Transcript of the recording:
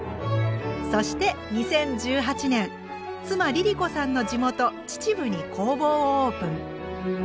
そして２０１８年妻りり子さんの地元秩父に工房をオープン。